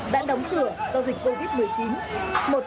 đã đóng cửa do dịch covid một mươi chín